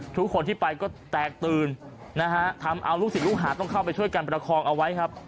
ทุกคนที่ไปก็แตกตื่นนะฮะทำเอาลูกศิษย์ลูกหาต้องเข้าไปช่วยกันประคองเอาไว้ครับ